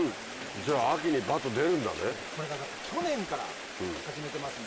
じゃあ秋にバッと出るんだね。